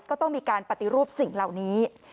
ก็ต้องมีการปฏิรูปสิ่งเหล่านี้